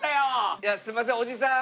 いやすいませんおじさん！